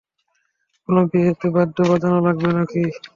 কোনো বিয়েতে বাদ্য বাজানো লাগবে নাকি?